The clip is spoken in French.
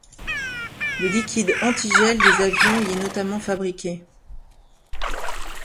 Le liquide antigel des avions y est notamment fabriqué.